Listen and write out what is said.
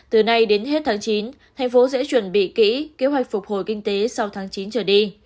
từ nay đến hết tháng chín thành phố sẽ chuẩn bị kỹ kế hoạch phục hồi kinh tế sau tháng chín trở đi